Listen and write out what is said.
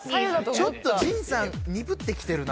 ちょっと陣さん鈍ってきてるな。